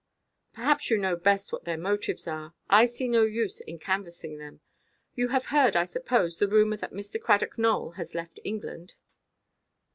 "Perhaps you know best what their motives are. I see no use in canvassing them. You have heard, I suppose, the rumour that Mr. Cradock Nowell has left England?"